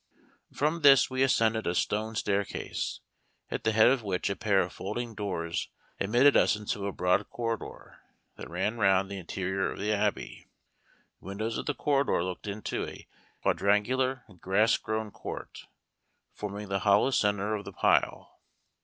From this we ascended a stone staircase, at the head of which a pair of folding doors admitted us into a broad corridor that ran round the interior of the Abbey. The windows of the corridor looked into a quadrangular grass grown court, forming the hollow centre of the pile.